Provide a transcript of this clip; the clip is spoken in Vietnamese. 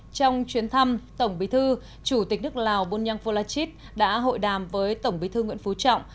trong chuyến thăm tổng bí thư chủ tịch nước lào bunyang volachit đã hội đàm với tổng bí thư nguyễn phú trọng